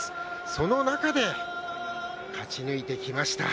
その中で勝ち抜いてきました。